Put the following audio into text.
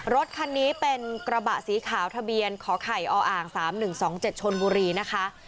รถคันนี้เป็นกระบะสีขาวทะเบียนขอไข่ออ่าง๓๑๒๗ชนบุรีนะคะ